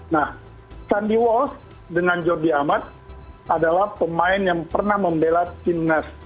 nah sandi walsh dengan jordi amat adalah pemain yang pernah membela timnas